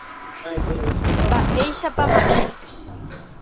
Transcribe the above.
Mba'éichapa mama